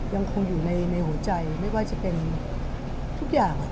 ยังคงอยู่ในหัวใจไม่ว่าจะเป็นทุกอย่าง